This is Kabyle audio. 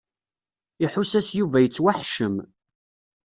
Iḥuss-as Yuba yettwaḥeccem.